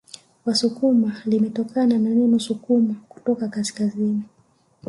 Wasukuma limetokana na neno sukuma kutoka kaskazini